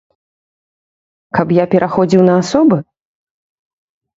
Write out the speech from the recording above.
Каб я пераходзіў на асобы?